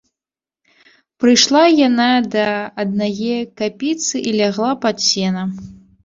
Прыйшла яна да аднае капіцы і лягла пад сена.